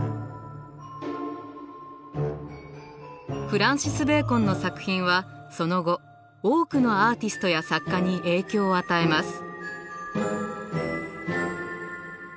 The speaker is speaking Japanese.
フランシス・ベーコンの作品はその後多くのアーティストや作家に影響を与えます。